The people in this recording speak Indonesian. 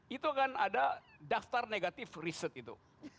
itu kan ada daftar negatif riset itu